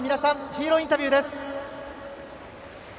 ヒーローインタビューです。